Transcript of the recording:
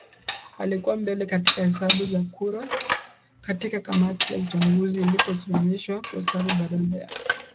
alikuwa mbele katika hesabu za kura hadi Kamati ya Uchaguzi iliposimamisha kuhesabu baada ya